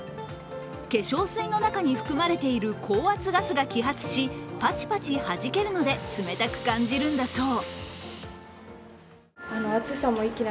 化粧水の中に含まれている高圧ガスが揮発し、パチパチ弾けるので、冷たく感じるんだそう。